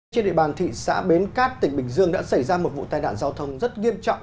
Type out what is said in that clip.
trên địa bàn thị xã bến cát tỉnh bình dương đã xảy ra một vụ tai nạn giao thông rất nghiêm trọng